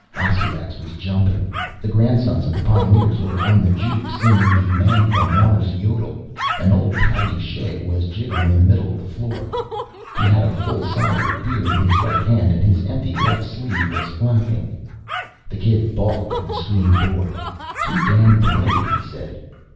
Oswiak's was jumping. The Grandsons of the Pioneers were on the juke singing the Man from Mars Yodel and old Paddy Shea was jigging in the middle of the floor. He had a full seidel of beer in his right hand and his empty left sleeve was flapping. The kid balked at the screen door. "Too damn bright," he said.